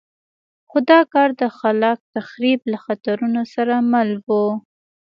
خو دا کار د خلاق تخریب له خطرونو سره مل وو.